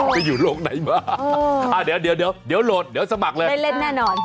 ไปอยู่โลกไหนมาเดี๋ยวโหลดเดี๋ยวสมัครเลยไม่เล่นแน่นอน